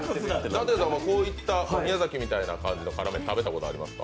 舘様、こういった宮崎みたいな辛麺、食べたことありますか？